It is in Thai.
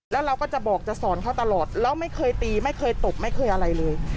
แล้วเราก็จะบอกจะสอนเขาตลอดแล้วไม่เคยตีไม่เคยตบไม่เคยอะไรเลย